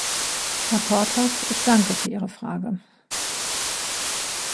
Herr Portas, ich danke für Ihre Frage.